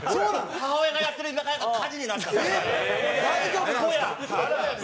母親がやってる居酒屋が火事になったんですね。